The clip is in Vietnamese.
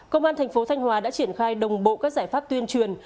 công an tp thanh hòa đã triển khai đồng bộ các giải pháp tuyên truyền